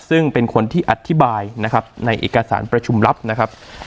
ซึ่งเป็นคนที่อธิบายนะครับในเอกสารประชุมลับนะครับ